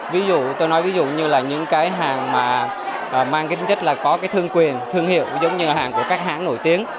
ví dụ tôi nói ví dụ như là những cái hàng mà mang cái tính chất là có cái thương quyền thương hiệu giống như là hàng của các hãng nổi tiếng